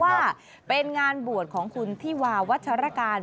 ว่าเป็นงานบวชของคุณธิวาวัชรการ